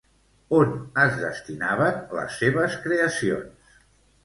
On es destinaven les seves creacions?